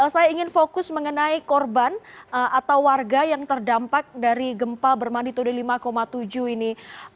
saya ingin fokus mengenai korban atau warga yang terdampak dari gempa bermanditude lima tujuh ini